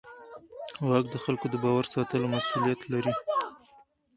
واک د خلکو د باور ساتلو مسؤلیت لري.